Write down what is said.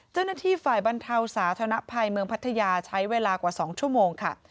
เจ้าหน้าที่ฝ่ายบรรเทาสาธารณภัยเมืองพัทยาใช้เวลากว่า๒ชั่วโมงค่ะ